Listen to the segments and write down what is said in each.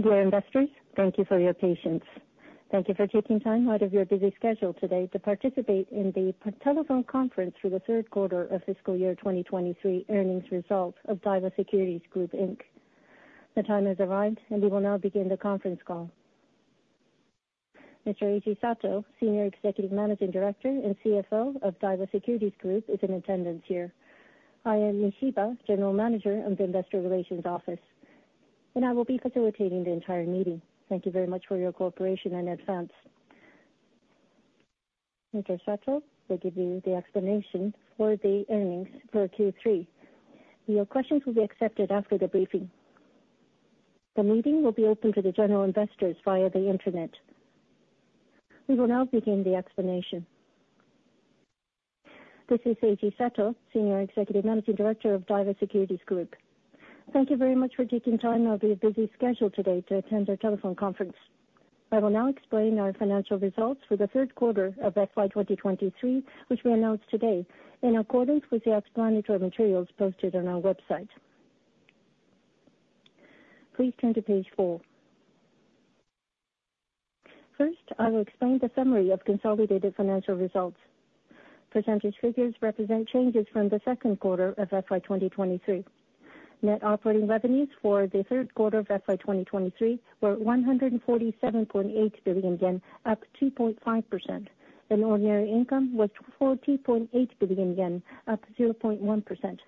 Dear investors, thank you for your patience. Thank you for taking time out of your busy schedule today to participate in the telephone conference for the third quarter of fiscal year 2023 earnings results of Daiwa Securities Group, Inc. The time has arrived, and we will now begin the conference call. Mr. Eiji Sato, Senior Executive Managing Director and CFO of Daiwa Securities Group, is in attendance here. I am Yoshida, General Manager of the Investor Relations Office, and I will be facilitating the entire meeting. Thank you very much for your cooperation in advance. Mr. Sato will give you the explanation for the earnings for Q3. Your questions will be accepted after the briefing. The meeting will be open to the general investors via the internet. We will now begin the explanation. This is Eiji Sato, Senior Executive Managing Director of Daiwa Securities Group. Thank you very much for taking time out of your busy schedule today to attend our telephone conference. I will now explain our financial results for the third quarter of FY 2023, which we announced today, in accordance with the explanatory materials posted on our website. Please turn to Page 4. First, I will explain the summary of consolidated financial results. Percentage figures represent changes from the second quarter of FY 2023. Net operating revenues for the third quarter of FY 2023 were 147.8 billion yen, up 2.5%, and ordinary income was 40.8 billion yen, up 0.1%.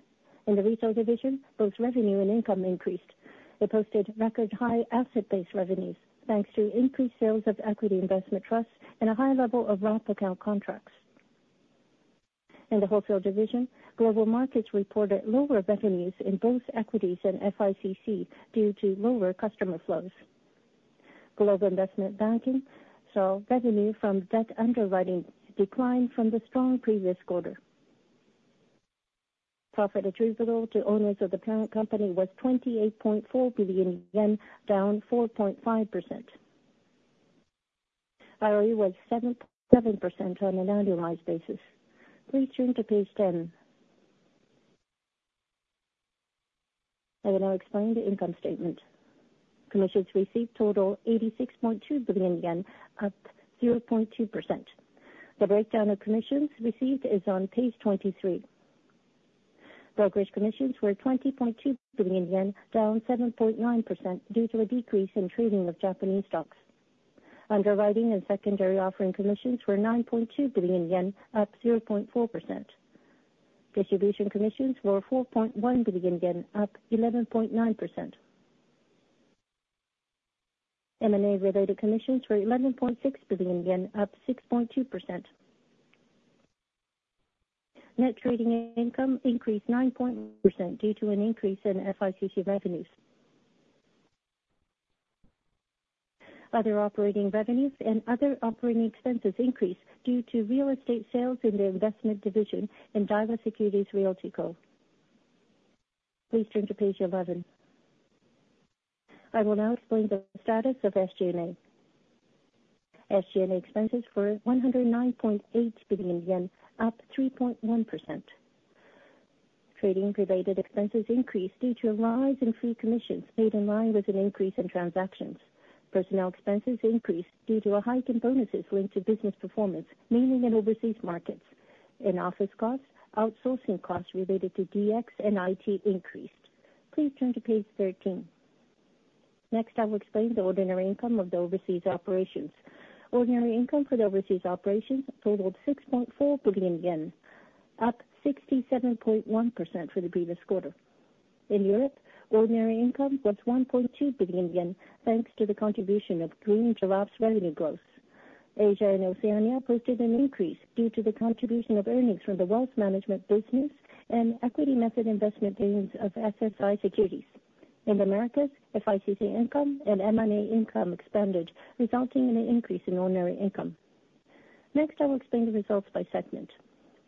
In the Retail Division, both revenue and income increased. They posted record high asset-based revenues, thanks to increased sales of equity investment trusts and a high level of wrap account contracts. In the Wholesale Division, global markets reported lower revenues in both equities and FICC due to lower customer flows. Global investment banking saw revenue from debt underwriting decline from the strong previous quarter. Profit attributable to owners of the parent company was 28.4 billion yen, down 4.5%. ROE was 7.7% on an annualized basis. Please turn to Page 10. I will now explain the income statement. Commissions received total 86.2 billion yen, up 0.2%. The breakdown of commissions received is on Page 23. Brokerage commissions were 20.2 billion yen, down 7.9% due to a decrease in trading of Japanese stocks. Underwriting and secondary offering commissions were 9.2 billion yen, up 0.4%. Distribution commissions were 4.1 billion yen, up 11.9%. M&A-related commissions were 11.6 billion yen, up 6.2%. Net trading income increased 9% due to an increase in FICC revenues. Other operating revenues and other operating expenses increased due to real estate sales in the investment division in Daiwa Securities Realty Co. Please turn to Page 11. I will now explain the status of SG&A. SG&A expenses were 109.8 billion yen, up 3.1%. Trading-related expenses increased due to a rise in free commissions made in line with an increase in transactions. Personnel expenses increased due to a hike in bonuses linked to business performance, mainly in overseas markets. In office costs, outsourcing costs related to DX and IT increased. Please turn to Page 13. Next, I will explain the ordinary income of the overseas operations. Ordinary income for the overseas operations totaled 6.4 billion yen, up 67.1% from the previous quarter. In Europe, ordinary income was 1.2 billion yen, thanks to the contribution of Green Giraffe's revenue growth. Asia and Oceania posted an increase due to the contribution of earnings from the wealth management business and equity method investment gains of SSI Securities. In the Americas, FICC income and M&A income expanded, resulting in an increase in ordinary income. Next, I will explain the results by segment.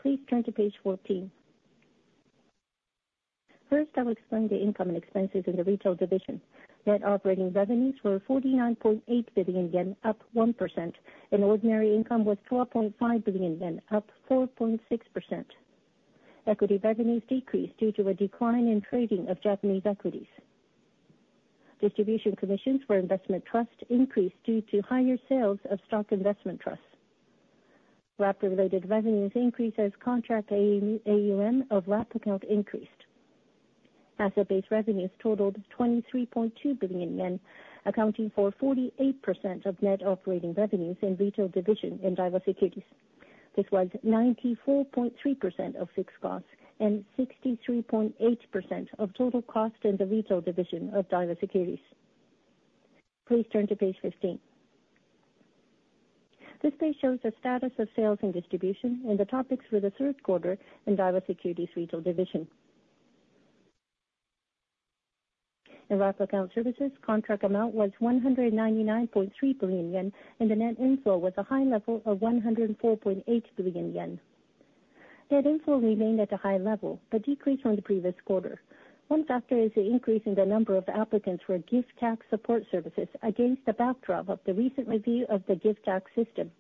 Please turn to Page 14. First, I will explain the income and expenses in the Retail Division. Net operating revenues were 49.8 billion yen, up 1%, and ordinary income was 4.5 billion yen, up 4.6%. Equity revenues decreased due to a decline in trading of Japanese equities. Distribution commissions for investment trusts increased due to higher sales of stock investment trusts. Wrap-related revenues increased as contract AUM, AUM of wrap account increased. Asset-based revenues totaled 23.2 billion yen, accounting for 48% of net operating revenues in Retail Division in Daiwa Securities. This was 94.3% of fixed costs and 63.8% of total cost in the Retail Division of Daiwa Securities. Please turn to Page 15. This page shows the status of sales and distribution, and the topics for the third quarter in Daiwa Securities Retail Division. In wrap account services, contract amount was 199.3 billion yen, and the net inflow was a high level of 104.8 billion yen. Net inflow remained at a high level, but decreased from the previous quarter. One factor is the increase in the number of applicants for gift tax support services against the backdrop of the recent review of the gift tax system.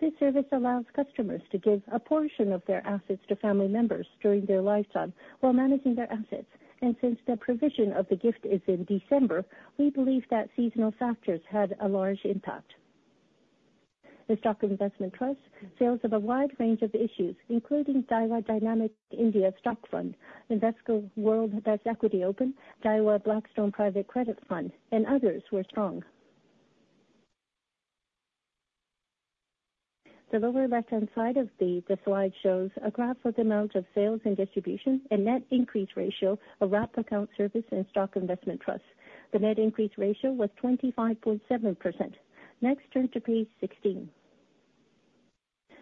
This service allows customers to give a portion of their assets to family members during their lifetime while managing their assets. And since the provision of the gift is in December, we believe that seasonal factors had a large impact. The stock investment trust sales of a wide range of issues, including Daiwa Dynamic India Stock Fund, Invesco World Best Equity Open, Daiwa Blackstone Private Credit Fund, and others were strong. The lower left-hand side of the slide shows a graph of the amount of sales and distribution and net increase ratio of wrap account service and stock investment trusts. The net increase ratio was 25.7%. Next, turn to Page 16.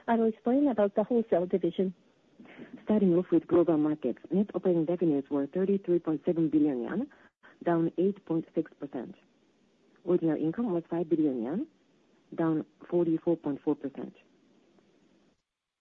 I will explain about the Wholesale Division. Starting off with Global Markets, net operating revenues were 33.7 billion yen, down 8.6%. Ordinary income was 5 billion yen, down 44.4%.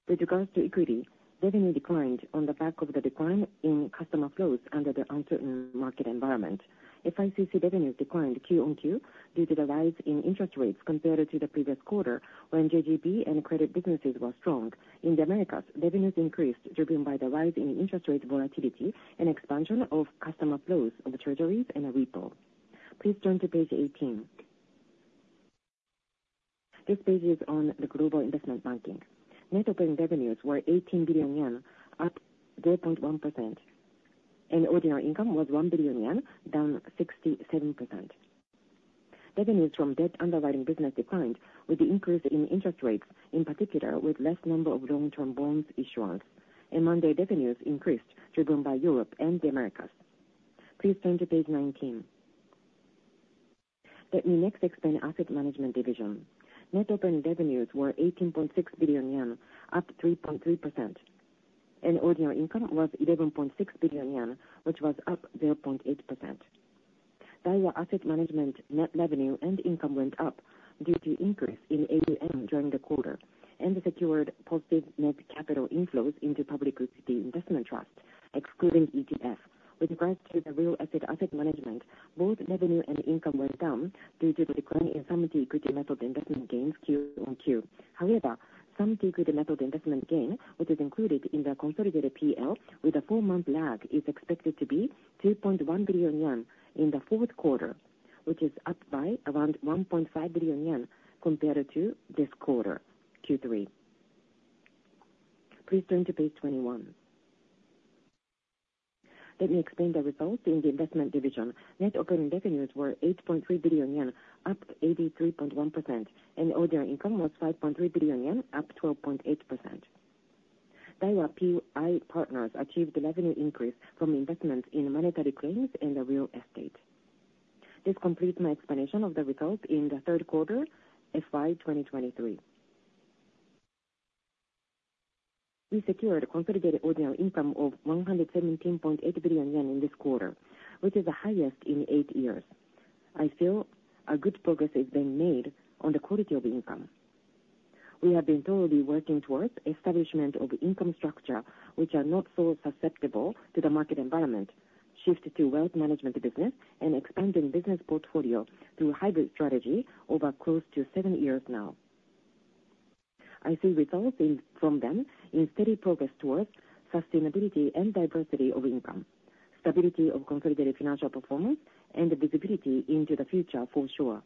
With regards to equity, revenue declined on the back of the decline in customer flows under the uncertain market environment. FICC revenues declined Q-on-Q due to the rise in interest rates compared to the previous quarter, when JGB and credit businesses were strong. In the Americas, revenues increased, driven by the rise in interest rate volatility and expansion of customer flows on the Treasuries and repo. Please turn to Page 18. This page is on the Global Investment Banking. Net operating revenues were 18 billion yen, up 0.1%, and ordinary income was 1 billion yen, down 67%. Revenues from debt underwriting business declined with the increase in interest rates, in particular, with less number of long-term bonds issuance. M&A revenues increased, driven by Europe and the Americas. Please turn to Page 19. Let me next explain Asset Management Division. Net operating revenues were 18.6 billion yen, up 3.3%, and ordinary income was 11.6 billion yen, which was up 0.8%. Daiwa Asset Management net revenue and income went up due to increase in AUM during the quarter and secured positive net capital inflows into public equity investment trust, excluding ETF. With regards to the real asset, asset management, both revenue and income went down due to the decline in some of the equity method investment gains Q-on-Q. However, some equity method investment gain, which is included in the consolidated PL with a four-month lag, is expected to be 2.1 billion yen in the fourth quarter, which is up by around 1.5 billion yen compared to this quarter, Q3. Please turn to Page 21. Let me explain the results in the Investment Division. Net operating revenues were 8.3 billion yen, up 83.1%, and ordinary income was 5.3 billion yen, up 12.8%. Daiwa PI Partners achieved the revenue increase from investments in monetary claims in the real estate. This completes my explanation of the results in the third quarter, FY 2023. We secured a consolidated ordinary income of 117.8 billion yen in this quarter, which is the highest in eight years. I feel a good progress is being made on the quality of income. We have been thoroughly working towards establishment of income structure, which are not so susceptible to the market environment, shift to wealth management business, and expanding business portfolio through hybrid strategy over close to seven years now. I see results in, from them in steady progress towards sustainability and diversity of income, stability of consolidated financial performance, and the visibility into the future for sure.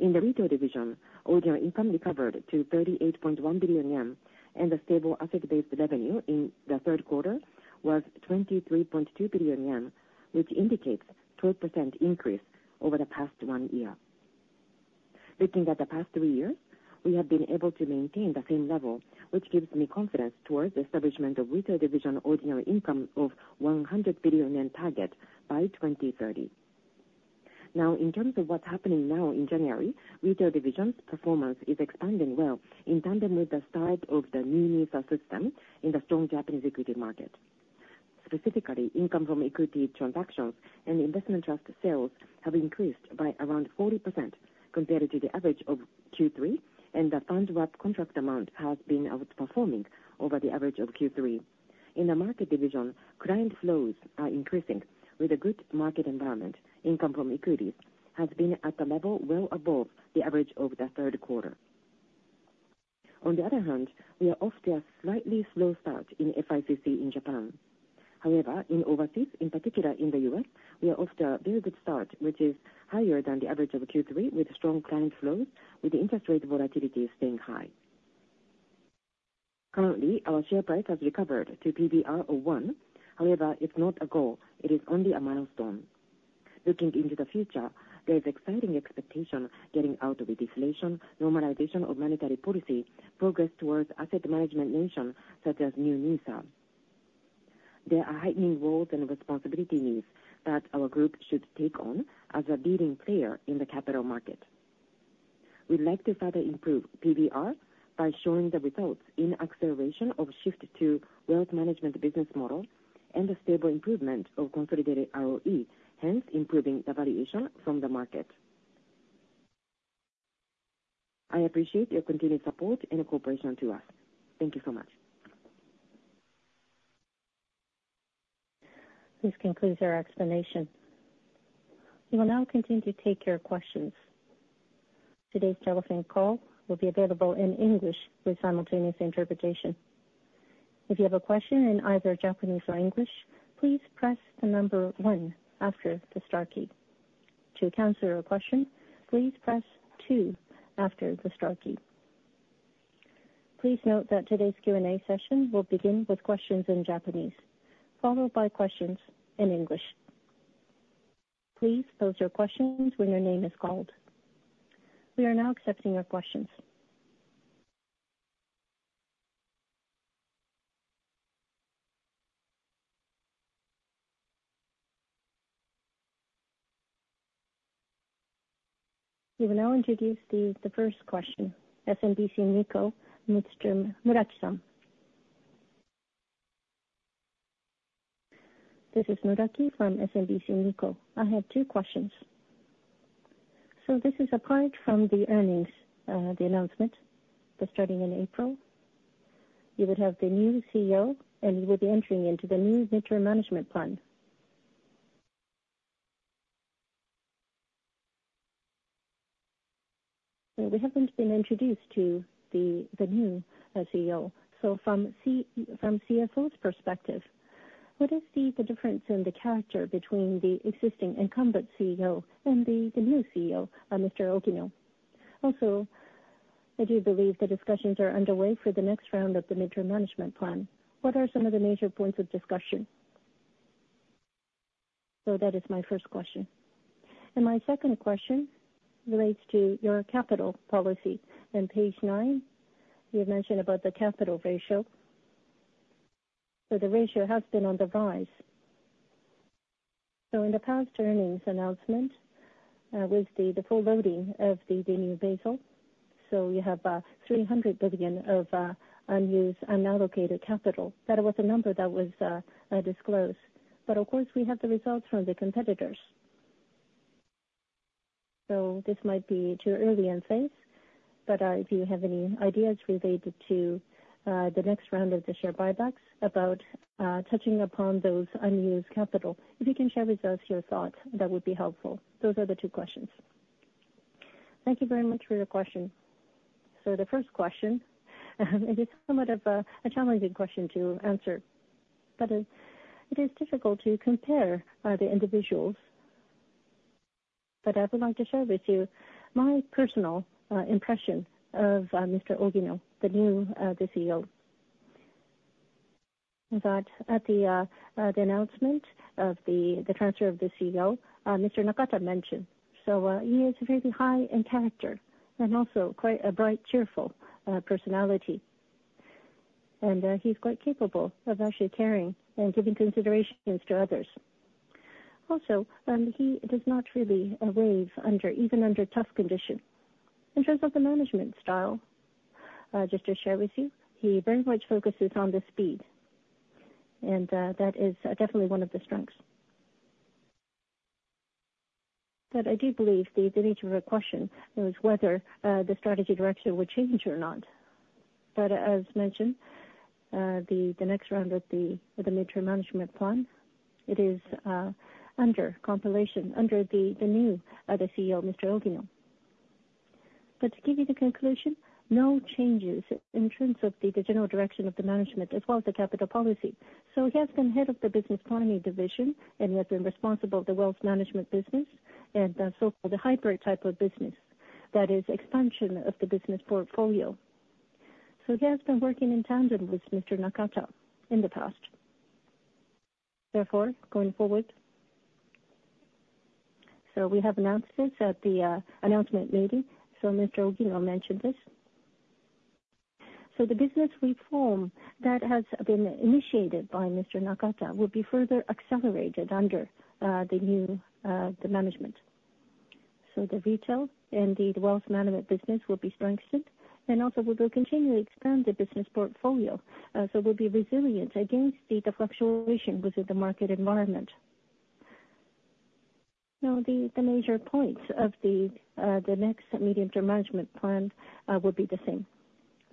In the Retail Division, ordinary income recovered to 38.1 billion yen, and the stable asset-based revenue in the third quarter was 23.2 billion yen, which indicates 12% increase over the past one year. Looking at the past three years, we have been able to maintain the same level, which gives me confidence towards the establishment of Retail Division ordinary income of 100 billion yen target by 2030. Now, in terms of what's happening now in January, Retail Division's performance is expanding well in tandem with the start of the New NISA system in the strong Japanese equity market. Specifically, income from equity transactions and investment trust sales have increased by around 40% compared to the average of Q3, and the Fund Wrap contract amount has been outperforming over the average of Q3. In the Market Division, client flows are increasing with a good market environment. Income from equities has been at a level well above the average over the third quarter. On the other hand, we are off to a slightly slow start in FICC in Japan. However, in overseas, in particular in the U.S., we are off to a very good start, which is higher than the average of Q3, with strong client flows, with the interest rate volatility staying high. Currently, our share price has recovered to PER of one. However, it's not a goal, it is only a milestone. Looking into the future, there is exciting expectation getting out of deflation, normalization of monetary policy, progress towards Asset Management Nation, such as New NISA. There are heightened roles and responsibility needs that our group should take on as a leading player in the capital market. We'd like to further improve PER by showing the results in acceleration of shift to wealth management business model and a stable improvement of consolidated ROE, hence improving the valuation from the market. I appreciate your continued support and cooperation to us. Thank you so much. This concludes our explanation. We will now continue to take your questions. Today's telephone call will be available in English with simultaneous interpretation. If you have a question in either Japanese or English, please press the number one after the star key. To cancel your question, please press two after the star key. Please note that today's Q&A session will begin with questions in Japanese, followed by questions in English. Please pose your questions when your name is called. We are now accepting your questions. We will now introduce the first question, SMBC Nikko, Mr. Muraki Masao. This is Muraki from SMBC Nikko. I have two questions. So this is apart from the earnings, the announcement that starting in April, you would have the new CEO, and you will be entering into the new midterm management plan. So we haven't been introduced to the new CEO. From CFO's perspective, what is the difference in the character between the existing incumbent CEO and the new CEO, Mr. Ogino? Also, I do believe the discussions are underway for the next round of the midterm management plan. What are some of the major points of discussion? That is my first question. My second question relates to your capital policy. On Page 9, you had mentioned about the capital ratio, so the ratio has been on the rise. In the past earnings announcement, with the full loading of the new Basel, so you have 300 billion of unused, unallocated capital. That was a number that was disclosed. But of course, we have the results from the competitors. So this might be too early in phase, but if you have any ideas related to the next round of the share buybacks about touching upon those unused capital, if you can share with us your thoughts, that would be helpful. Those are the two questions. Thank you very much for your question. So the first question, it is somewhat of a challenging question to answer, but it is difficult to compare the individuals. But I would like to share with you my personal impression of Mr. Ogino, the new CEO. In fact, at the announcement of the transfer of the CEO, Mr. Nakata mentioned, so he is very high in character and also quite a bright, cheerful personality. And he's quite capable of actually caring and giving considerations to others. Also, he does not really waver under even under tough condition. In terms of the management style, just to share with you, he very much focuses on the speed, and that is definitely one of the strengths. But I do believe the nature of your question is whether the strategy direction will change or not. But as mentioned, the next round of the midterm management plan, it is under compilation under the new CEO, Mr. Ogino. But to give you the conclusion, no changes in terms of the general direction of the management as well as the capital policy. So he has been head of the business planning division, and he has been responsible of the wealth management business and so-called the hybrid type of business, that is expansion of the business portfolio. So he has been working in tandem with Mr. Nakata in the past. Therefore, going forward, we have announced this at the announcement meeting, so Mr. Ogino mentioned this. So the business reform that has been initiated by Mr. Nakata will be further accelerated under the new management. So the retail and the wealth management business will be strengthened, and also we will continually expand the business portfolio. So we'll be resilient against the fluctuation within the market environment. Now, the major points of the next medium-term management plan will be the same.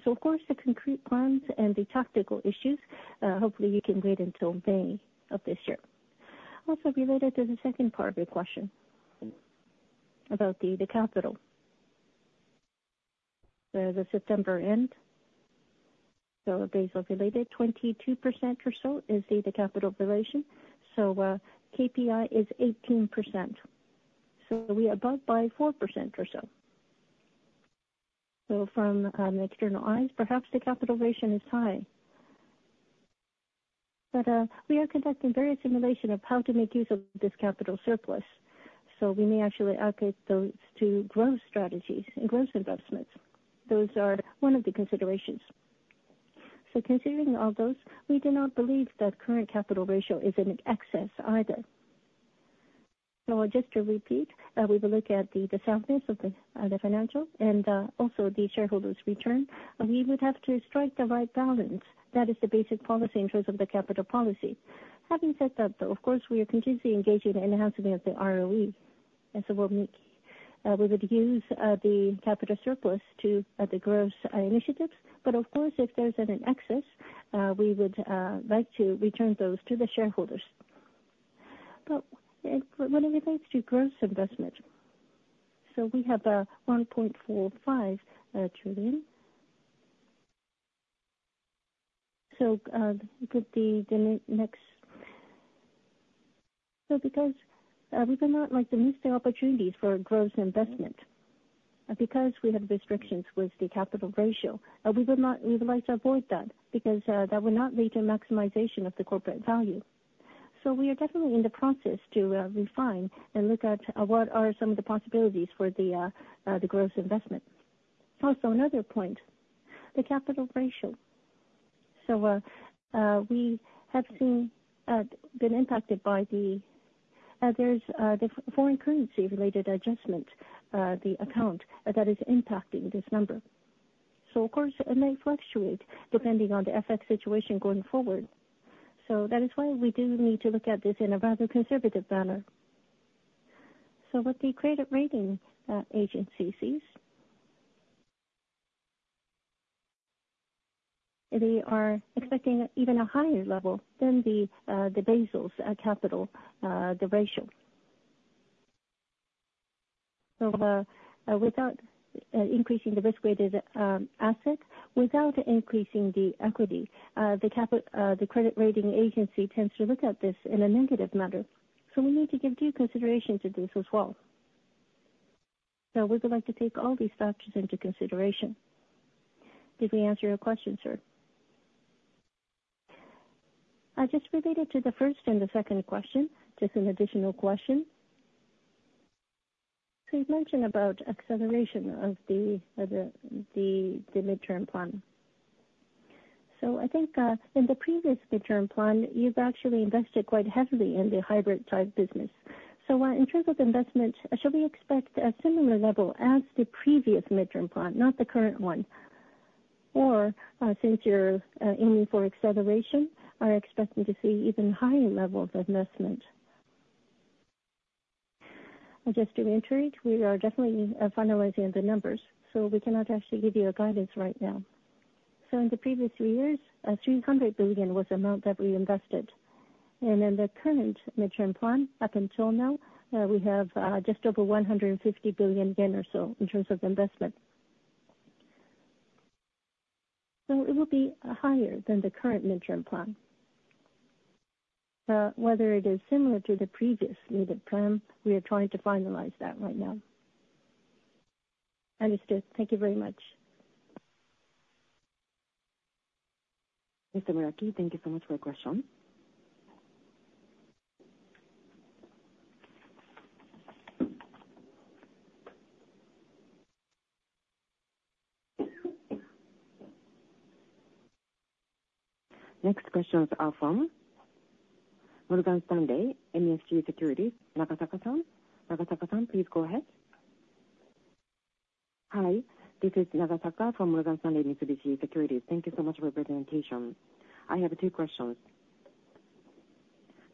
So of course, the concrete plans and the tactical issues, hopefully you can wait until May of this year. Also, related to the second part of your question about the capital. The September end, so those are related, 22% or so is the capital ratio. So, KPI is 18%, so we are above by 4% or so. So from external eyes, perhaps the capital ratio is high. But we are conducting various simulations of how to make use of this capital surplus, so we may actually allocate those to growth strategies and growth investments. Those are one of the considerations. So considering all those, we do not believe that current capital ratio is in excess either. So just to repeat, we will look at the soundness of the financial and also the shareholders' return. We would have to strike the right balance. That is the basic policy in terms of the capital policy. Having said that, though, of course, we are continuously engaging in enhancing of the ROE, and so we would use the capital surplus to the growth initiatives. But of course, if there's an excess, we would like to return those to the shareholders. But when it relates to growth investment, so we have 1.45 trillion. So because we do not like to miss the opportunities for growth investment, because we have restrictions with the capital ratio. We would like to avoid that, because that would not lead to maximization of the corporate value. So we are definitely in the process to refine and look at what are some of the possibilities for the the growth investment. Also, another point, the capital ratio. So, we have seen been impacted by the, there's, the foreign currency related adjustment, the account, that is impacting this number. So of course, it may fluctuate depending on the FX situation going forward. So that is why we do need to look at this in a rather conservative manner. So what the credit rating agency sees, they are expecting even a higher level than the, the Basel's capital, the ratio. So, without increasing the risk-weighted asset, without increasing the equity, the capital, the credit rating agency tends to look at this in a negative manner, so we need to give due consideration to this as well. So we would like to take all these factors into consideration. Did we answer your question, sir? Just related to the first and the second question, just an additional question. So you've mentioned about acceleration of the midterm plan. So I think, in the previous midterm plan, you've actually invested quite heavily in the hybrid drive business. So, in terms of investment, should we expect a similar level as the previous midterm plan, not the current one? Or, since you're aiming for acceleration, are expecting to see even higher levels of investment? Just to reiterate, we are definitely finalizing the numbers, so we cannot actually give you a guidance right now. So in the previous three years, 300 billion was the amount that we invested. And in the current midterm plan, up until now, we have just over 150 billion yen or so in terms of investment. So it will be higher than the current midterm plan. Whether it is similar to the previous plan, we are trying to finalize that right now. Understood. Thank you very much. Mr. Muraki, thank you so much for your question. Next questions are from Morgan Stanley MUFG Securities, Nagasaka-san. Nagasaka-san, please go ahead. Hi, this is Nagasaka from Morgan Stanley, MUFG Securities. Thank you so much for your presentation. I have two questions.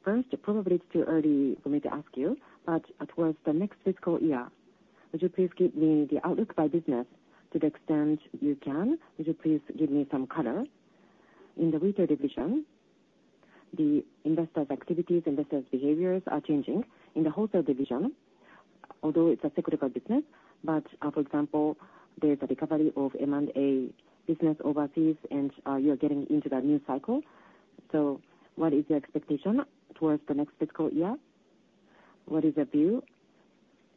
First, probably it's too early for me to ask you, but towards the next fiscal year, would you please give me the outlook by business to the extent you can? Would you please give me some color? In the Retail Division, the investors' activities, investors' behaviors are changing. In the Wholesale Division, although it's a cyclical business, but, for example, there's a recovery of M&A business overseas, and, you're getting into that new cycle. So what is your expectation towards the next fiscal year? What is your view?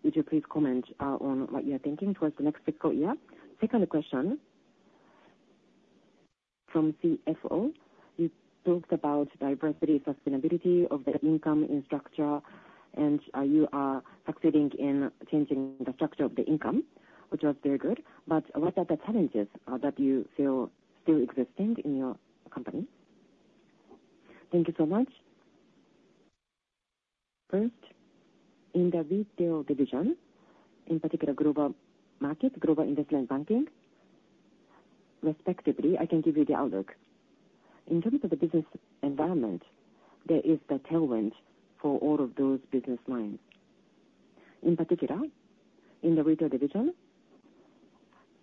Would you please comment on what you're thinking towards the next fiscal year? Second question, from CFO, you talked about diversity, sustainability of the income in structure, and you are succeeding in changing the structure of the income, which was very good. But what are the challenges that you feel still existing in your company? Thank you so much. First, in the Retail Division, in particular global market, global investment banking, respectively, I can give you the outlook. In terms of the business environment, there is the tailwind for all of those business lines. In particular, in the Retail Division,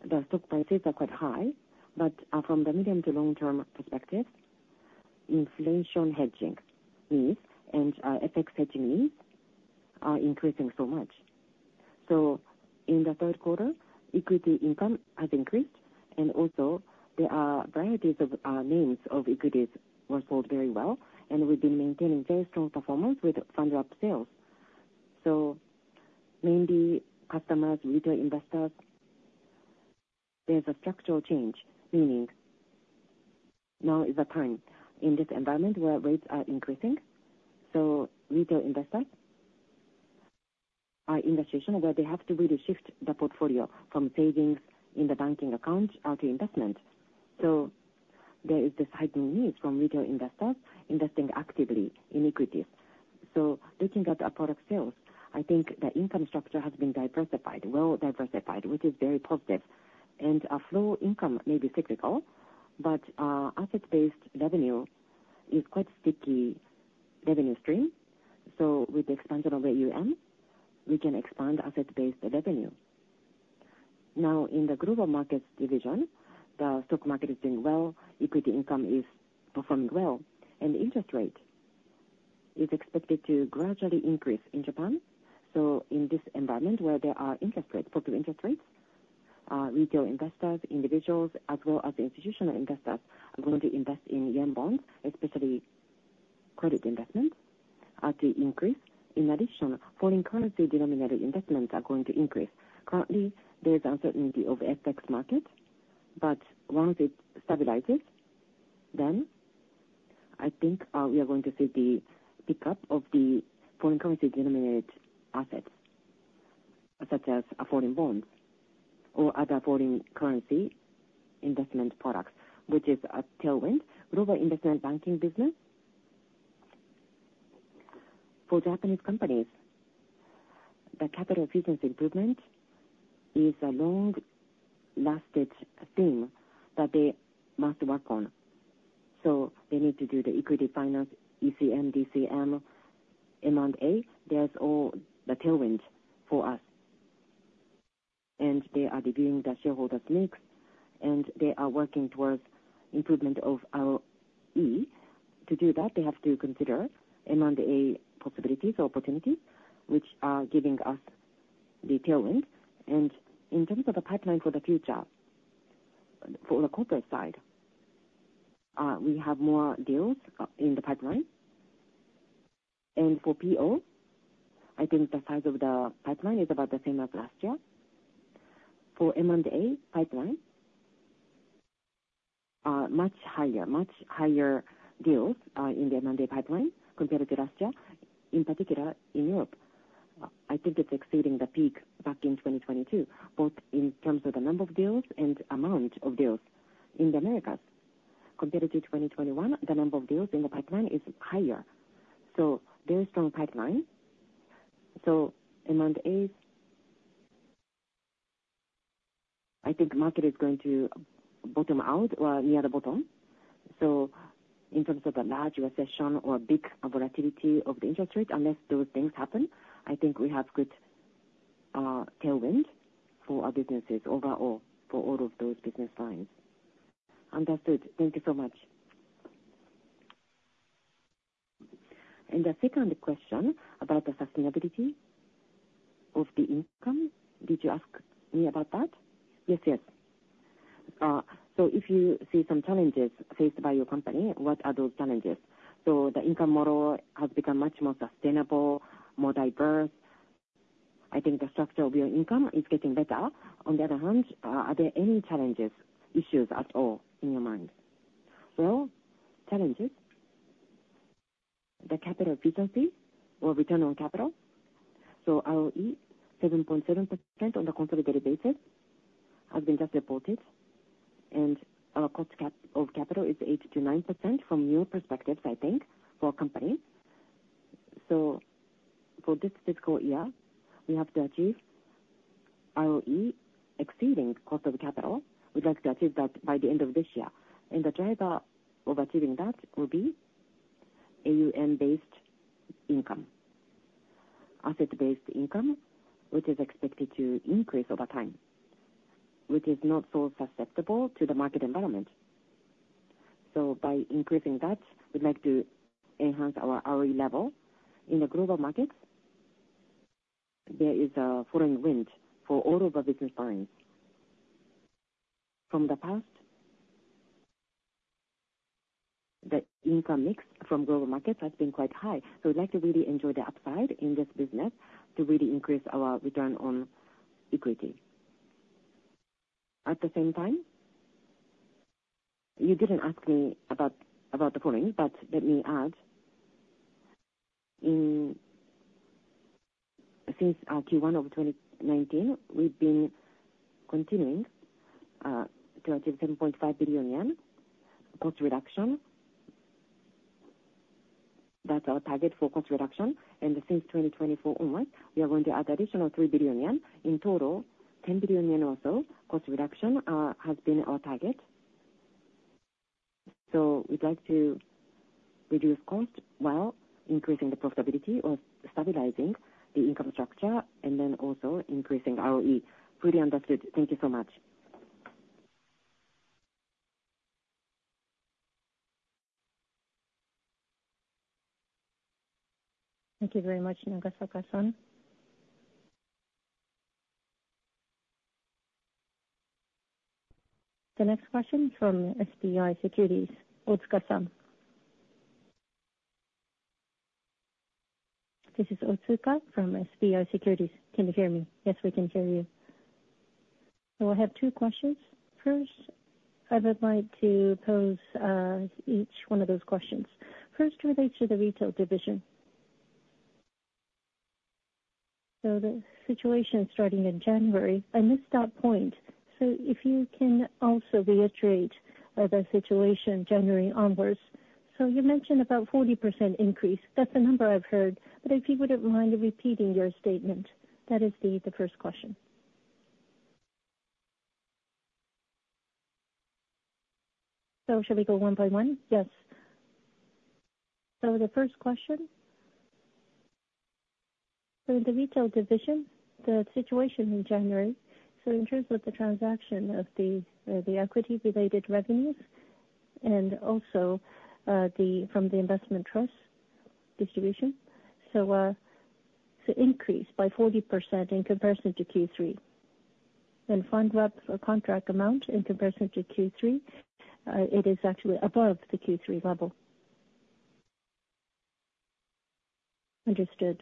the stock prices are quite high, but from the medium to long term perspective, inflation hedging needs and FX hedging needs are increasing so much. So in the third quarter, equity income has increased, and also there are varieties of needs of equities were sold very well, and we've been maintaining very strong performance Fund Wrap sales. So mainly customers, retail investors, there's a structural change, meaning now is the time in this environment where rates are increasing. So retail investors are in a situation where they have to really shift the portfolio from savings in the banking accounts out to investment. So there is this heightened need from retail investors investing actively in equities. So looking at our product sales, I think the income structure has been diversified, well diversified, which is very positive. And our flow income may be cyclical, but asset-based revenue is quite sticky revenue stream, so with the expansion of AUM, we can expand asset-based revenue. Now, in the global markets division, the stock market is doing well, equity income is performing well, and the interest rate is expected to gradually increase in Japan. So in this environment where there are interest rates, popular interest rates, retail investors, individuals, as well as institutional investors, are going to invest in yen bonds, especially credit investment, are to increase. In addition, foreign currency denominated investments are going to increase. Currently, there's uncertainty of FX market, but once it stabilizes, then I think, we are going to see the pickup of the foreign currency denominated assets, such as foreign bonds or other foreign currency investment products, which is a tailwind global investment banking business. For Japanese companies, the capital efficiency improvement is a long-lasting thing that they must work on. So they need to do the equity finance, ECM, DCM, M&A. There's all the tailwind for us, and they are reviewing the shareholders' mix, and they are working towards improvement of ROE. To do that, they have to consider M&A possibilities or opportunities, which are giving us the tailwind. And in terms of the pipeline for the future, for the corporate side, we have more deals in the pipeline. And for PO, I think the size of the pipeline is about the same as last year. For M&A pipeline, much higher, much higher deals in the M&A pipeline compared to last year, in particular in Europe. I think it's exceeding the peak back in 2022, both in terms of the number of deals and amount of deals in the Americas. Compared to 2021, the number of deals in the pipeline is higher, so very strong pipeline. So M&A, I think market is going to bottom out or near the bottom. So in terms of a large recession or big volatility of the interest rate, unless those things happen, I think we have good tailwind for our businesses overall, for all of those business lines. Understood. Thank you so much. And the second question about the sustainability of the income, did you ask me about that? Yes, yes. So if you see some challenges faced by your company, what are those challenges? So the income model has become much more sustainable, more diverse. I think the structure of your income is getting better. On the other hand, are, are there any challenges, issues at all, in your mind? Well, challenges, the capital efficiency or return on capital. So ROE, 7.7% on the consolidated basis, has been just reported, and our cost of capital is 8%-9% from new perspectives, I think, for our company. So for this fiscal year, we have to achieve ROE exceeding cost of capital. We'd like to achieve that by the end of this year, and the driver of achieving that will be AUM-based income, asset-based income, which is expected to increase over time, which is not so susceptible to the market environment. So by increasing that, we'd like to enhance our ROE level. In the global markets, there is a fair wind for all of our business lines. From the past, the income mix from global markets has been quite high, so we'd like to really enjoy the upside in this business to really increase our return on equity. At the same time, you didn't ask me about, about the foreign, but let me add, since Q1 of 2019, we've been continuing to achieve 7.5 billion yen cost reduction. That's our target for cost reduction, and since 2024 onwards, we are going to add additional 3 billion yen. In total, 10 billion yen or so cost reduction has been our target. So we'd like to reduce cost while increasing the profitability or stabilizing the income structure, and then also increasing ROE. Fully understood. Thank you so much. Thank you very much, Nagasaka. The next question from SBI Securities, Otsuka-san. This is Otsuka from SBI Securities. Can you hear me? Yes, we can hear you. So I have two questions. First, I would like to pose each one of those questions. First relates to the Retail Division. So the situation starting in January, I missed that point, so if you can also reiterate the situation January onwards. So you mentioned about 40% increase, that's the number I've heard, but if you wouldn't mind repeating your statement. That is the first question. So should we go one by one? Yes. So the first question, so in the Retail Division, the situation in January, so in terms of the transaction of the equity related revenues, and also the from the investment trust distribution, so it increased by 40% in comparison to Q3, and Fund Wrap or contract amount in comparison to Q3, it is actually above the Q3 level. Understood.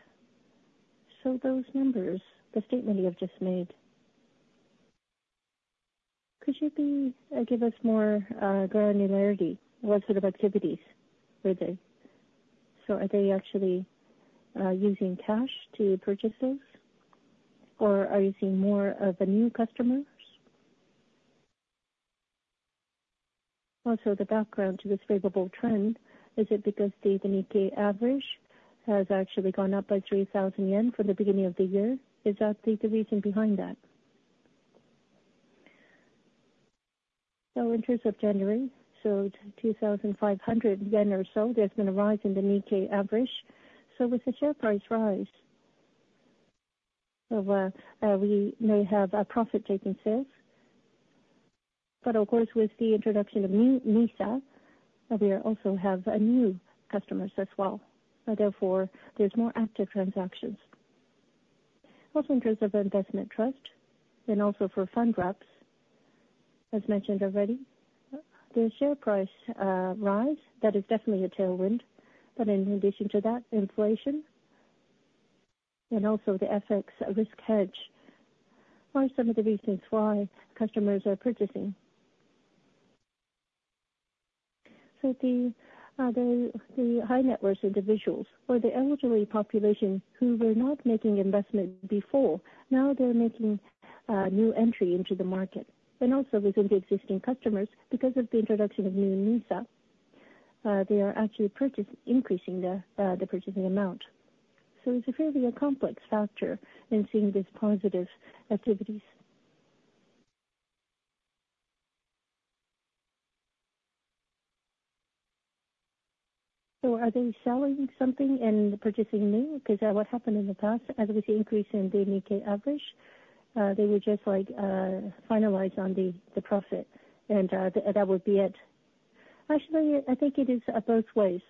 So those numbers, the statement you have just made, could you give us more granularity? What sort of activities were they? So are they actually using cash to purchase those, or are you seeing more of the new customers? Also, the background to this favorable trend, is it because the Nikkei average has actually gone up by 3,000 yen from the beginning of the year? Is that the reason behind that? So in terms of January, so 2,500 yen or so, there's been a rise in the Nikkei average. So with the share price rise, we may have a profit-taking sales, but of course, with the introduction of New NISA, we also have new customers as well. Therefore, there's more active transactions. Also, in terms of investment trust and also for Fund Wraps, as mentioned already, the share price rise, that is definitely a tailwind. But in addition to that, inflation and also the FX risk hedge are some of the reasons why customers are purchasing. So the, the high net worth individuals or the elderly population who were not making investment before, now they're making new entry into the market. Also within the existing customers, because of the introduction of New NISA, they are actually increasing the purchasing amount. So it's a fairly complex factor in seeing these positive activities. So are they selling something and purchasing new? Because, what happened in the past, as with the increase in the Nikkei average, they were just like, finalized on the profit, and, that would be it. Actually, I think it is, both ways.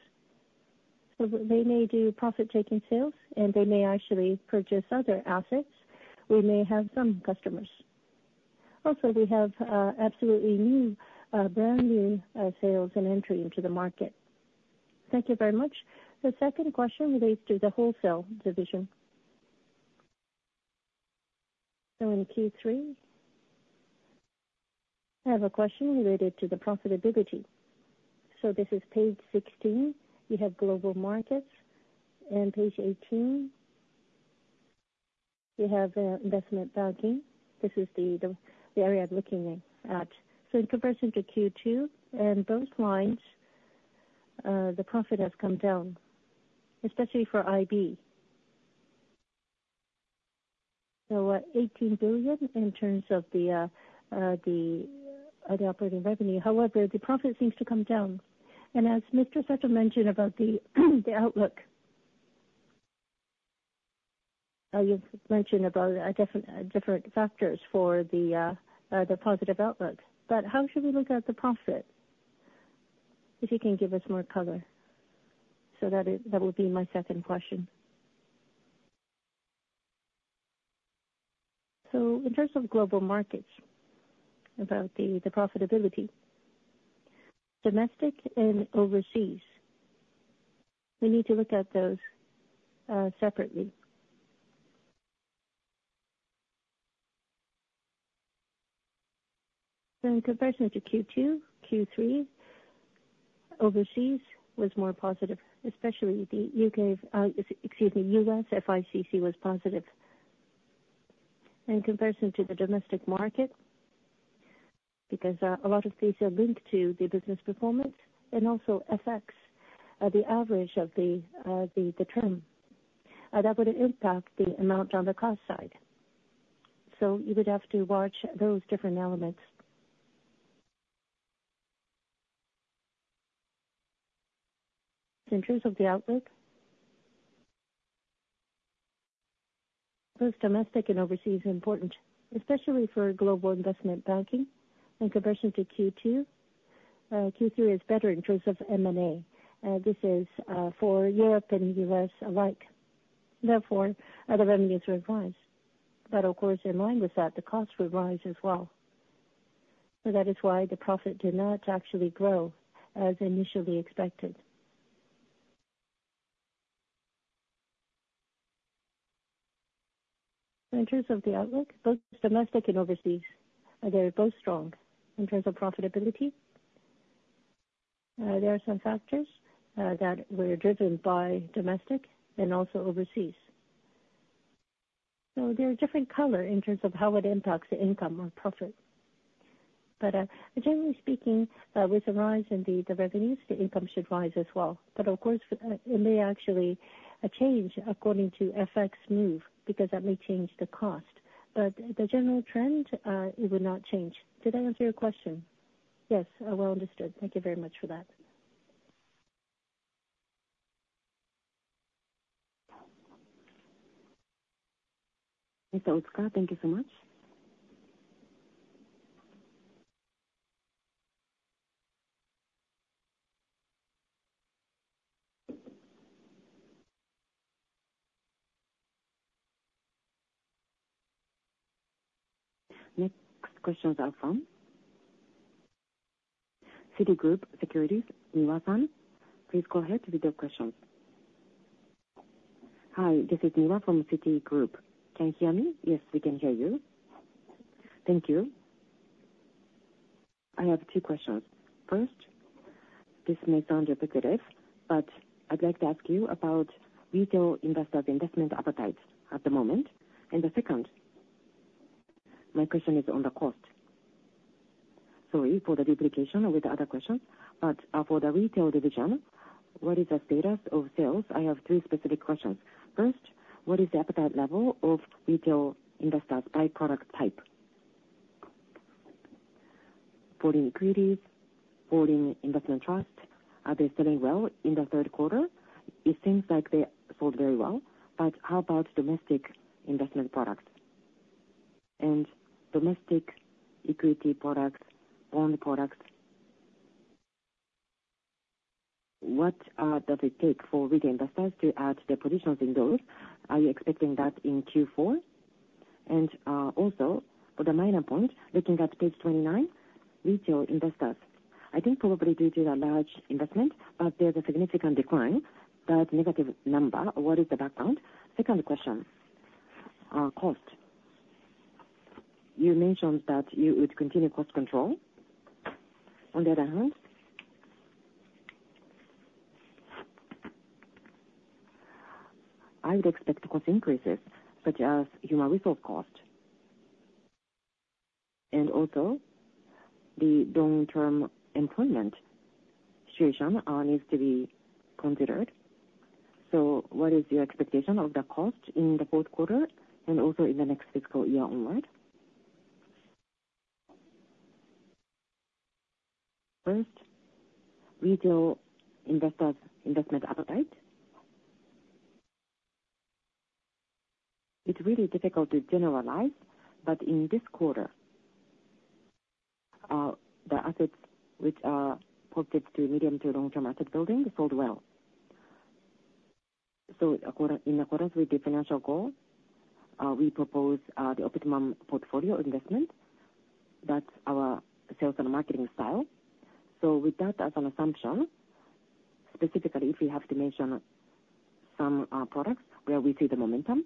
So they may do profit-taking sales, and they may actually purchase other assets. We may have some customers. Also, we have, absolutely new, brand new, sales and entry into the market. Thank you very much. The second question relates to the Wholesale Division. So in Q3, I have a question related to the profitability. So this is Page 16, you have global markets, and Page 18, you have investment banking. This is the area I'm looking at. So in comparison to Q2 and those lines, the profit has come down, especially for IB. So, 18 billion in terms of the operating revenue. However, the profit seems to come down, and as Mr. Sato mentioned about the outlook, you've mentioned about different factors for the positive outlook. But how should we look at the profit? If you can give us more color. So that would be my second question. So in terms of global markets, about the profitability, domestic and overseas, we need to look at those separately. So in comparison to Q2, Q3, overseas was more positive, especially the U.S. FICC was positive. In comparison to the domestic market, because a lot of these are linked to the business performance and also affects the average of the trend. That would impact the amount on the cost side. So you would have to watch those different elements. In terms of the outlook, both domestic and overseas are important, especially for global investment banking. In comparison to Q2, Q3 is better in terms of M&A, and this is for Europe and U.S. alike. Therefore, other revenues will rise. But of course, in line with that, the cost will rise as well. So that is why the profit did not actually grow as initially expected. In terms of the outlook, both domestic and overseas, they're both strong. In terms of profitability, there are some factors that were driven by domestic and also overseas. So there are different color in terms of how it impacts the income or profit. But generally speaking, with the rise in the revenues, the income should rise as well. But of course, it may actually change according to FX move, because that may change the cost. But the general trend, it would not change. Did I answer your question? Yes, well understood. Thank you very much for that. Mr. Otsuka, thank you so much. Next questions are from Citigroup Securities, Niwa-san. Please go ahead with your questions. Hi, this is Niwa from Citigroup. Can you hear me? Yes, we can hear you. Thank you. I have two questions. First, this may sound repetitive, but I'd like to ask you about retail investor's investment appetite at the moment. And the second, my question is on the cost. Sorry for the duplication with the other questions, but, for the Retail Division, what is the status of sales? I have three specific questions. First, what is the appetite level of retail investors by product type? Foreign equities, foreign investment trust, are they selling well in the third quarter? It seems like they sold very well, but how about domestic investment products and domestic equity products, bond products? What does it take for retail investors to add their positions in those? Are you expecting that in Q4? And also, for the minor point, looking at Page 29, retail investors, I think probably due to the large investment, but there's a significant decline. That negative number, what is the background? Second question, cost. You mentioned that you would continue cost control. On the other hand, I would expect cost increases, such as human resource cost, and also the long-term employment situation needs to be considered. So what is your expectation of the cost in the fourth quarter and also in the next fiscal year onward? First, retail investors' investment appetite. It's really difficult to generalize, but in this quarter, the assets which are focused to medium to long-term asset building sold well. So according, in accordance with the financial goal, we propose the optimum portfolio investment. That's our sales and marketing style. So with that as an assumption, specifically if we have to mention some products where we see the momentum,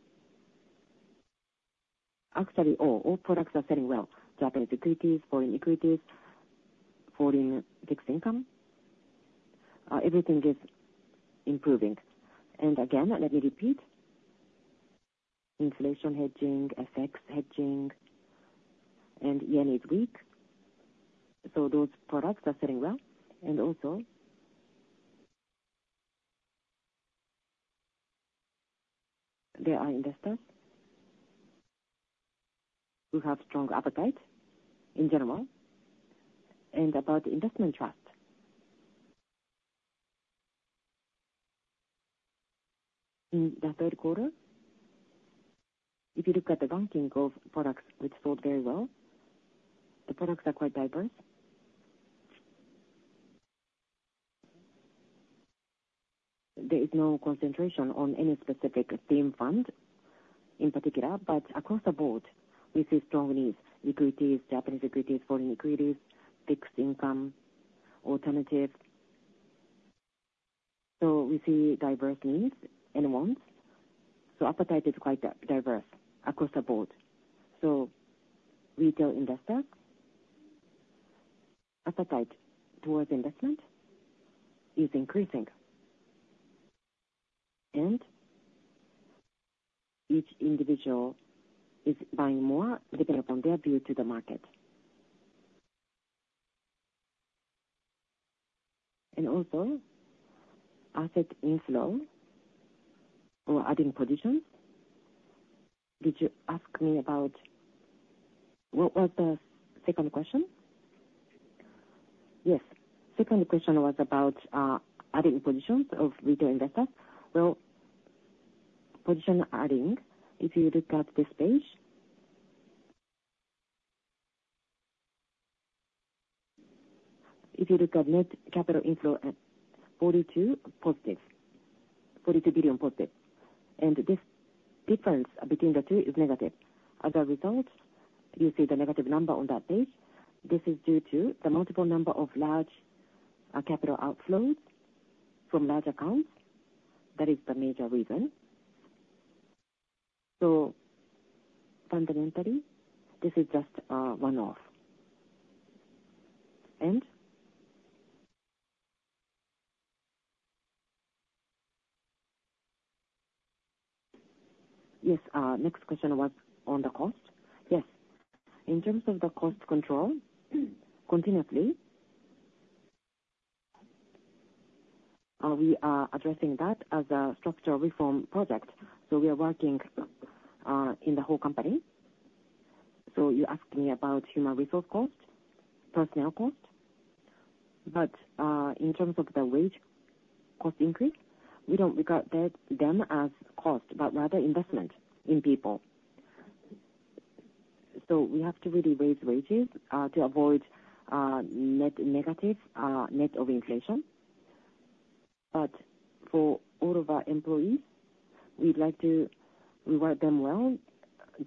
actually all, all products are selling well, Japanese equities, foreign equities, foreign fixed income, everything is improving. And again, let me repeat, inflation hedging, FX hedging, and yen is weak, so those products are selling well. And also, there are investors who have strong appetite in general, and about investment trust. In the third quarter, if you look at the ranking of products which sold very well, the products are quite diverse. There is no concentration on any specific theme fund in particular, but across the board, we see strong needs, equities, Japanese equities, foreign equities, fixed income, alternative. So we see diverse needs and wants, so appetite is quite diverse across the board. So retail investor appetite towards investment is increasing, and each individual is buying more depending upon their view to the market. Also, asset inflow or adding positions. Did you ask me about... What was the second question? Yes. Second question was about adding positions of retail investor. Well, position adding, if you look at this page, if you look at net capital inflow at +42 billion, and this difference between the two is negative. As a result, you see the negative number on that page. This is due to the multiple number of large capital outflows from large accounts. That is the major reason. So fundamentally, this is just one-off. And? Yes, next question was on the cost. Yes, in terms of the cost control, continuously we are addressing that as a structural reform project, so we are working in the whole company. So you asked me about human resource cost, personnel cost, but in terms of the wage cost increase, we don't regard them as cost, but rather investment in people. So we have to really raise wages to avoid net negative, net of inflation. But for all of our employees, we'd like to reward them well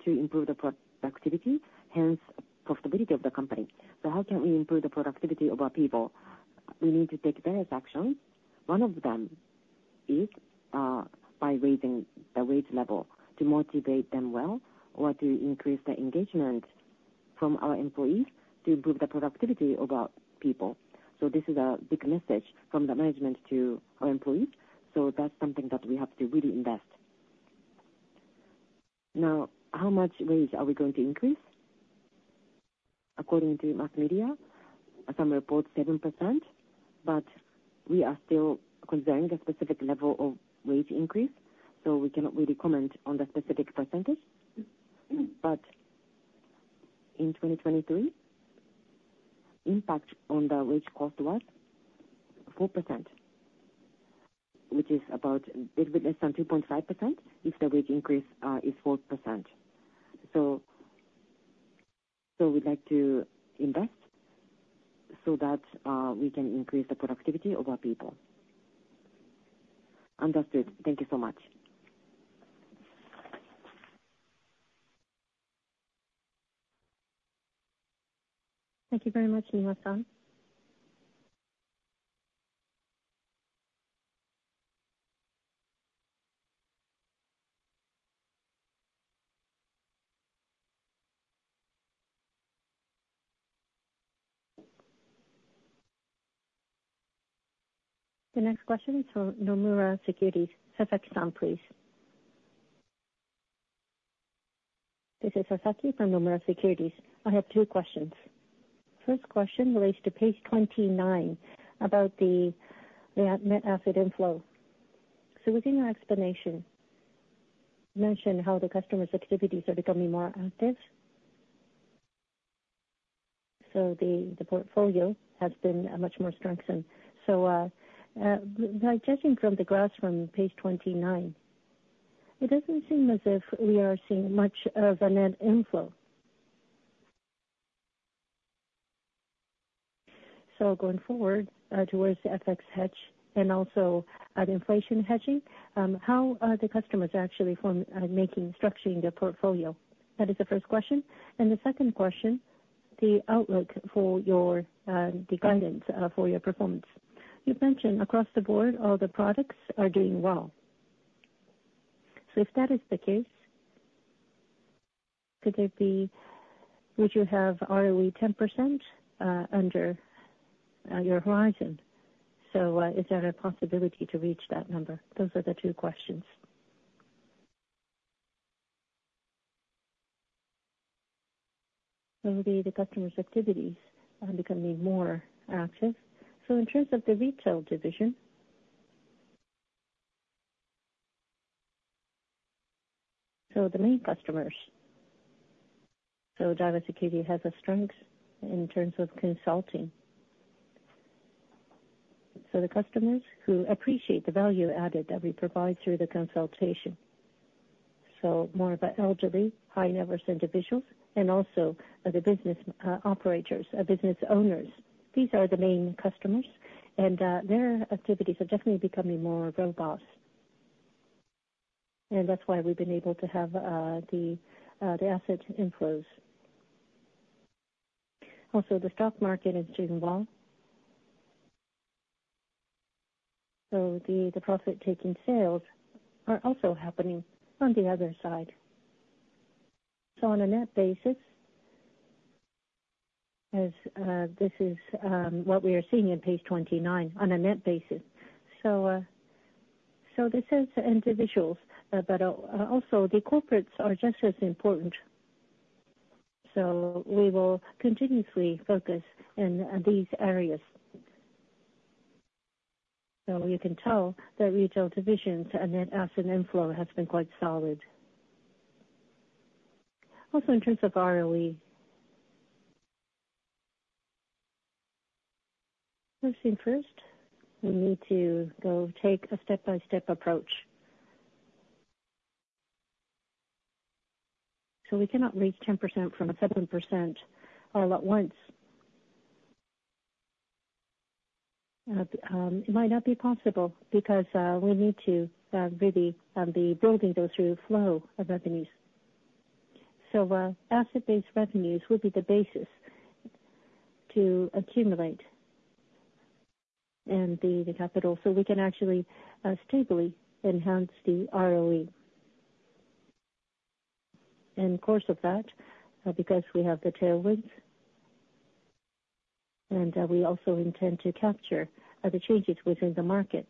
to improve the productivity, hence profitability of the company. So how can we improve the productivity of our people? We need to take various actions. One of them is by raising the wage level to motivate them well, or to increase the engagement from our employees to improve the productivity of our people. So this is a big message from the management to our employees, so that's something that we have to really invest. Now, how much wage are we going to increase? According to Mass Media, some report 7%, but we are still considering the specific level of wage increase, so we cannot really comment on the specific percentage. But in 2023, impact on the wage cost was 4%, which is about a bit less than 2.5% if the wage increase is 4%. So, so we'd like to invest so that we can increase the productivity of our people. Understood. Thank you so much. Thank you very much, Niwa-san. The next question is from Nomura Securities, Sasaki-san, please. This is Sasaki from Nomura Securities. I have two questions. First question relates to Page 29, about the, the net asset inflow. So within your explanation, you mentioned how the customers' activities are becoming more active, so the portfolio has been much more strengthened. So by judging from the graphs from Page 29, it doesn't seem as if we are seeing much of a net inflow. So going forward towards FX hedge and also at inflation hedging, how are the customers actually making, structuring their portfolio? That is the first question. And the second question, the outlook for your, the guidance, for your performance. You've mentioned across the board, all the products are doing well. So if that is the case, could there be - would you have ROE 10% under your horizon? So is there a possibility to reach that number? Those are the two questions. So the customers' activities are becoming more active. So in terms of the Retail Division, so the main customers, so Daiwa Securities has a strength in terms of consulting. So the customers who appreciate the value added that we provide through the consultation, so more of the elderly, high-net-worth individuals, and also the business operators, business owners. These are the main customers, and their activities are definitely becoming more robust. And that's why we've been able to have the asset inflows. Also, the stock market is doing well. So the profit-taking sales are also happening on the other side. So on a net basis, as this is what we are seeing in Page 29, on a net basis. So this is individuals, but also the corporates are just as important. So we will continuously focus in these areas. So you can tell the Retail Divisions and net asset inflow has been quite solid. Also, in terms of ROE, first things first, we need to go take a step-by-step approach. So we cannot reach 10% from 7% all at once. It might not be possible, because we need to really be building those through flow of revenues. So asset-based revenues will be the basis to accumulate and the, the capital, so we can actually stably enhance the ROE. In course of that, because we have the tailwinds, and we also intend to capture the changes within the market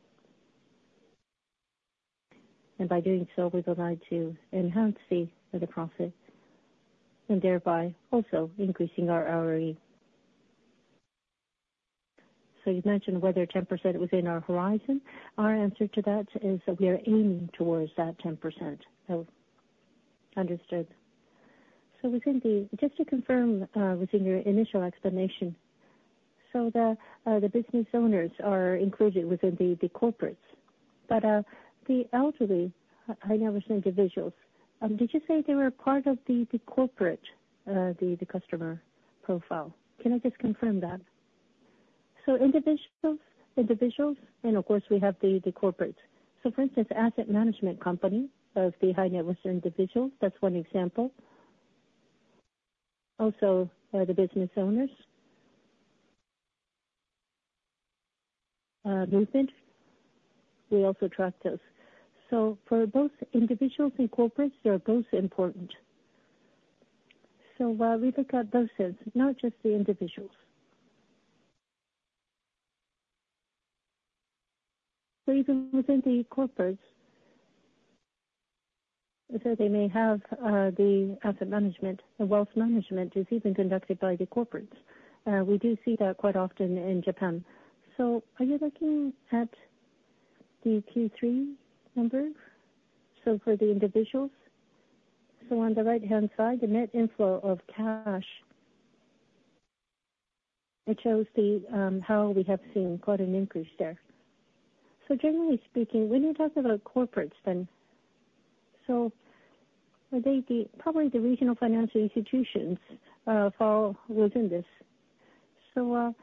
and by doing so, we go on to enhance the, the profit, and thereby also increasing our ROE. So you've mentioned whether 10% within our horizon, our answer to that is that we are aiming towards that 10%. So understood. So within the, just to confirm, within your initial explanation, so the business owners are included within the corporates, but the elderly high net worth individuals, did you say they were part of the corporate, the customer profile? Can I just confirm that? So individuals, individuals, and of course we have the corporates. So for instance, asset management company of the high net worth individual, that's one example. Also, the business owners movement, we also track those. So for both individuals and corporates, they are both important. So we look at both sides, not just the individuals. So even within the corporates, so they may have, the asset management, the wealth management is even conducted by the corporates. We do see that quite often in Japan. So are you looking at the Q3 numbers? So for the individuals, so on the right-hand side, the net inflow of cash, it shows the, how we have seen quite an increase there. So generally speaking, when you talk about corporates, then, so are they the -- probably the regional financial institutions, fall within this. So,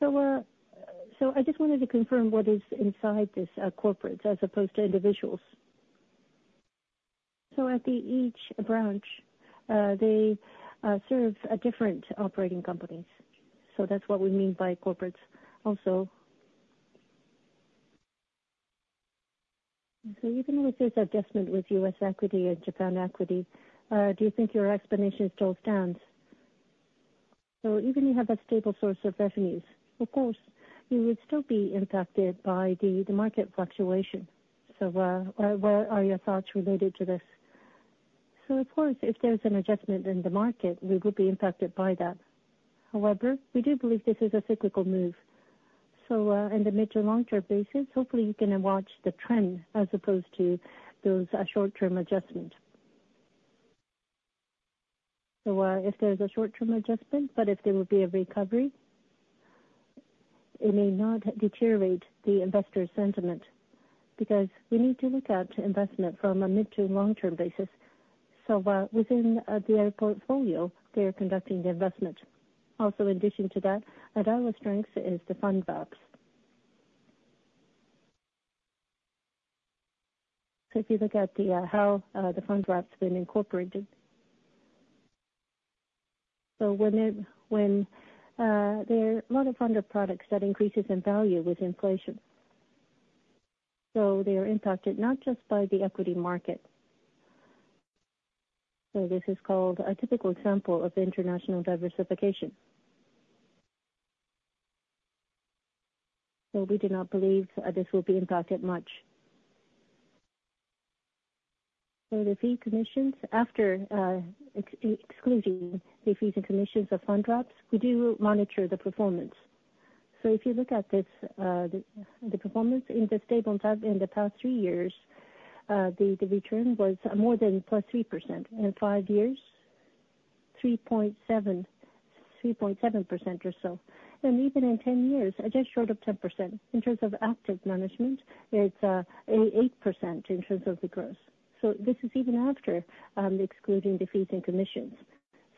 so, so I just wanted to confirm what is inside this, corporates, as opposed to individuals. So at the each branch, they, serve, different operating companies. So that's what we mean by corporates also. So even with this adjustment with U.S. equity and Japan equity, do you think your explanation still stands? So even if you have that stable source of revenues, of course, you would still be impacted by the market fluctuation. So, what are your thoughts related to this? So of course, if there's an adjustment in the market, we would be impacted by that. However, we do believe this is a cyclical move. So, in the mid- to long-term basis, hopefully you can watch the trend as opposed to those short-term adjustment. So, if there's a short-term adjustment, but if there will be a recovery? It may not deteriorate the investors' sentiment, because we need to look at investment from a mid- to long-term basis. So, within their portfolio, they are conducting the investment. Also, in addition to that, another strength is the Fund Wraps. So if you look at the how the Fund Wraps have been incorporated. So when there are a lot of fund of products that increases in value with inflation. So they are impacted not just by the equity market. So this is called a typical example of international diversification. So we do not believe this will be impacted much. So the fee commissions, after excluding the fees and commissions Fund Wraps, we do monitor the performance. So if you look at this, the performance in the stable in the past three years, the return was more than +3%. In five years, 3.7% or so. And even in 10 years, I just showed up 10%. In terms of active management, it's 8% in terms of the growth. So this is even after excluding the fees and commissions.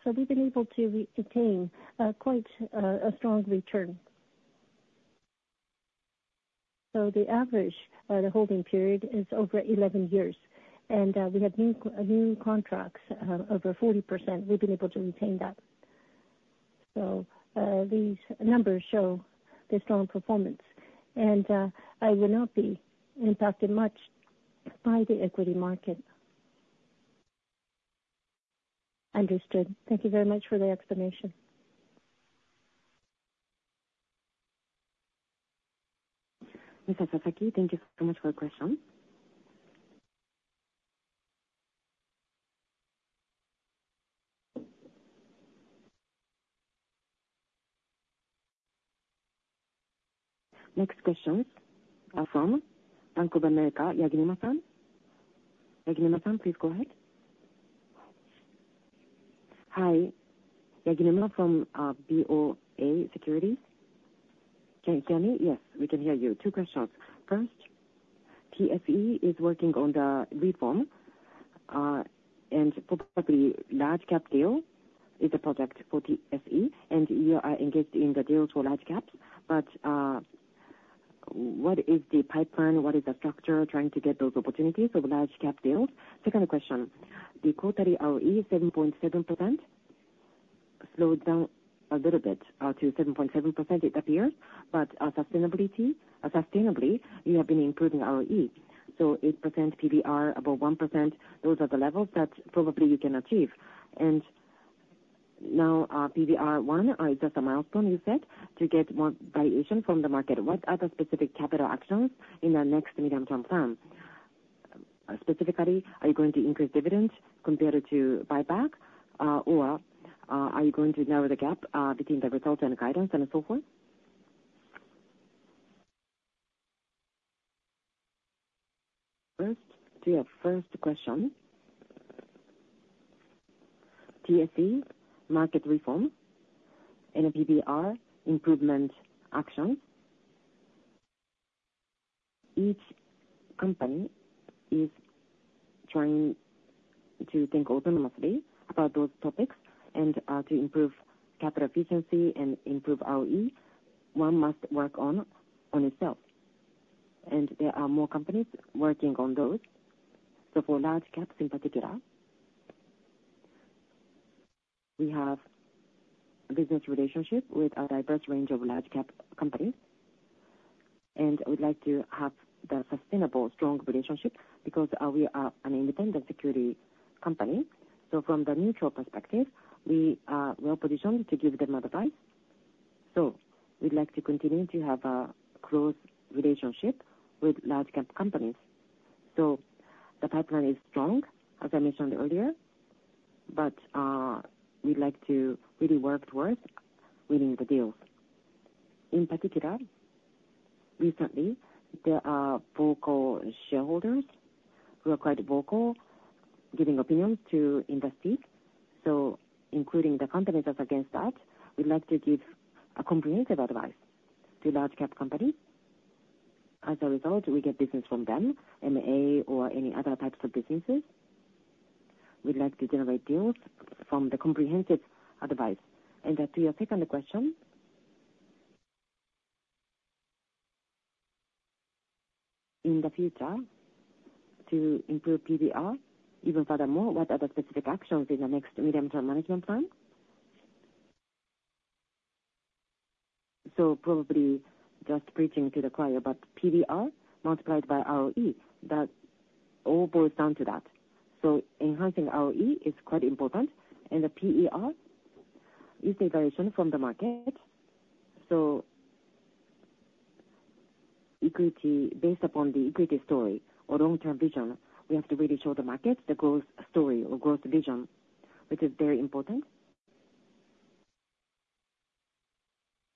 So we've been able to obtain a strong return. So the average holding period is over 11 years, and we have new contracts over 40%, we've been able to retain that. So these numbers show the strong performance, and I will not be impacted much by the equity market. Understood. Thank you very much for the explanation. Sasaki, thank you so much for the question. Next question from Bank of America, Yaginuma-san. Yaginuma-san, please go ahead. Hi, Yaginuma from BofA Securities. Can you hear me? Yes, we can hear you. Two questions. First, TSE is working on the reform, and probably large cap deal is a project for TSE, and you are engaged in the deals for large caps. But what is the pipeline? What is the structure trying to get those opportunities of large cap deals? Second question, the quarterly ROE, 7.7%, slowed down a little bit to 7.7% it appears, but sustainability, sustainably, you have been improving ROE. So 8% PER, above 1%, those are the levels that probably you can achieve. Now, PER 1 is just a milestone you set to get more valuation from the market. What are the specific capital actions in the next medium-term plan? Specifically, are you going to increase dividends compared to buyback, or are you going to narrow the gap between the results and guidance and so forth? First, to your first question, TSE market reform and PER improvement actions, each company is trying to think autonomously about those topics and to improve capital efficiency and improve ROE, one must work on itself, and there are more companies working on those. So for large caps in particular, we have business relationship with a diverse range of large cap companies, and we'd like to have the sustainable, strong relationship because we are an independent securities company. So from the mutual perspective, we are well-positioned to give them advice. So we'd like to continue to have a close relationship with large cap companies. So the pipeline is strong, as I mentioned earlier, but we'd like to really work towards winning the deals. In particular, recently, there are vocal shareholders who are quite vocal, giving opinions to investees. So including the companies that are against that, we'd like to give comprehensive advice to large cap companies. As a result, we get business from them, MA or any other types of businesses. We'd like to generate deals from the comprehensive advice. And then to your second question, in the future, to improve PER even furthermore, what are the specific actions in the next medium-term management plan? So probably just preaching to the choir, but PER multiplied by ROE, that all boils down to that. So enhancing ROE is quite important, and the PER is the valuation from the market. So equity, based upon the equity story or long-term vision, we have to really show the market the growth story or growth vision, which is very important.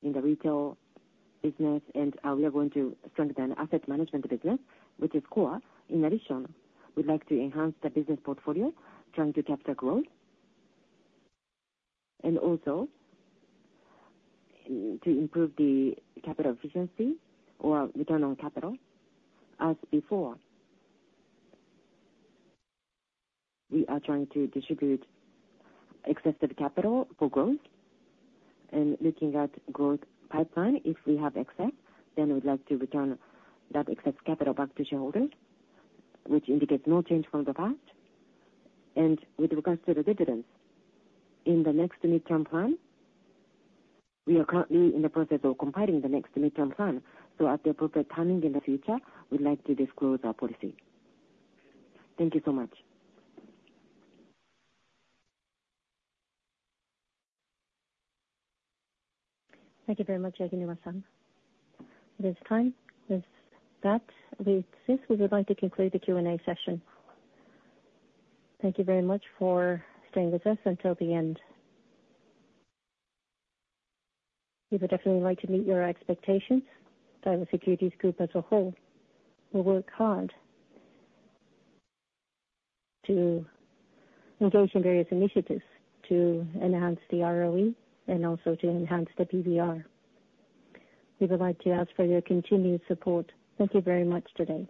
In the retail business, and, we are going to strengthen asset management business, which is core. In addition, we'd like to enhance the business portfolio, trying to capture growth, and also, to improve the capital efficiency or return on capital. As before, we are trying to distribute excessive capital for growth and looking at growth pipeline, if we have excess, then we'd like to return that excess capital back to shareholders, which indicates no change from the past. With regards to the dividends, in the next midterm plan, we are currently in the process of compiling the next midterm plan, so at the appropriate timing in the future, we'd like to disclose our policy. Thank you so much. Thank you very much, Yaginuma-san. It is time. With that, we, this, we would like to conclude the Q&A session. Thank you very much for staying with us until the end. We would definitely like to meet your expectations, that the securities group as a whole will work hard to engage in various initiatives to enhance the ROE and also to enhance the PER. We would like to ask for your continued support. Thank you very much today.